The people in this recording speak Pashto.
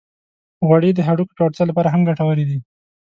غوړې د هډوکو پیاوړتیا لپاره هم ګټورې دي.